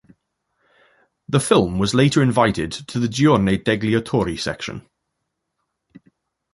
The film was later invited to the Giornate degli Autori section.